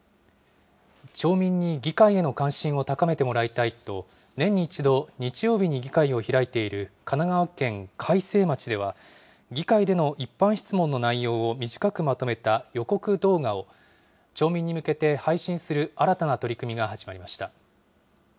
町民に議会への関心を高めてもらいたいと、年に１度、日曜日に議会を開いている神奈川県開成町では、議会での一般質問の内容を短くまとめた予告動画を町民に向けて配信する新たな取り組みが始まりました。